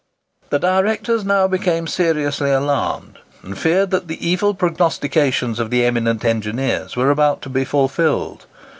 The directors now became seriously alarmed, and feared that the evil prognostications of the eminent engineers were about to be fulfilled.